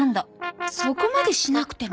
そこまでしなくても。